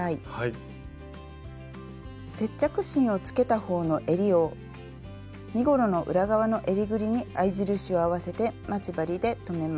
接着芯をつけたほうのえりを身ごろの裏側のえりぐりに合い印を合わせて待ち針で留めます。